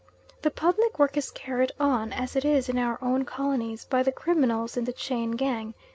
The public work is carried on, as it is in our own colonies, by the criminals in the chain gang.